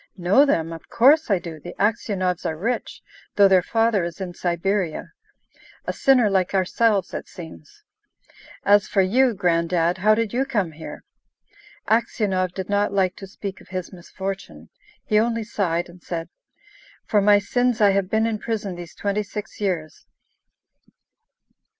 "Know them? Of course I do. The Aksionovs are rich, though their father is in Siberia: a sinner like ourselves, it seems! As for you, Gran'dad, how did you come here?" Aksionov did not like to speak of his misfortune. He only sighed, and said, "For my sins I have been in prison these twenty six years."